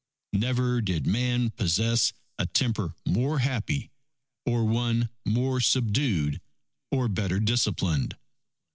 Never did man possess a temper more happy, or one more subdued or better disciplined.